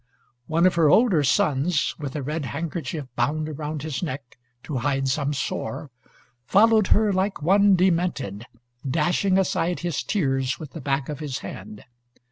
One of her older sons, with a red handkerchief bound around his neck, to hide some sore, followed her like one demented, dashing aside his tears with the back of his hand.